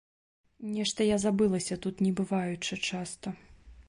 Нешта я забылася, тут не бываючы часта.